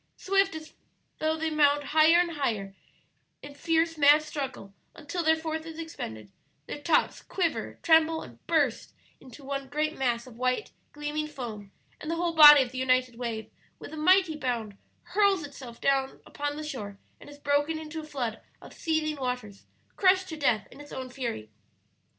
Swift as thought they mount higher and higher, in fierce, mad struggle, until their force is expended; their tops quiver, tremble, and burst into one great mass of white, gleaming foam; and the whole body of the united wave, with a mighty bound, hurls itself upon the shore and is broken into a flood of seething waters crushed to death in its own fury.